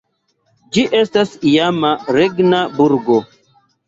Ĝi estis iama regna burgo.